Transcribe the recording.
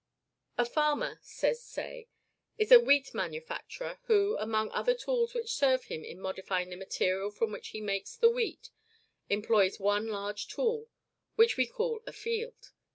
"A farmer," says Say, "is a wheat manufacturer who, among other tools which serve him in modifying the material from which he makes the wheat, employs one large tool, which we call a field.